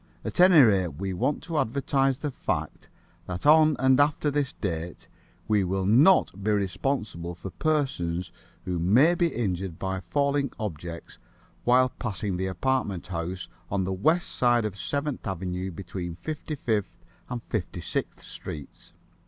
At any rate, we want to advertise the fact that on and after this date we will not be responsible for persons who may be injured by falling objects while passing the apartment house on the west side of Seventh Avenue between Fifty fifth and Fifty sixth streets.